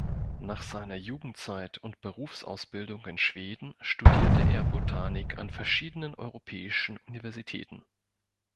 Nach seiner Jugendzeit und Berufsausbildung in Schweden studierte er Botanik an verschiedenen europäischen Universitäten.